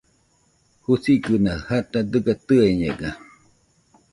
Jusigɨna jata dɨga tɨeñega